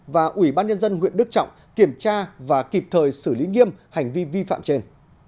và ubnd huyện đức trọng kiểm tra và kịp thời xử lý nghiêm hành vi vi phạm trên